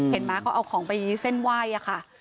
มั้ยเขาเอาของไปเส้นไหว้ค่ะ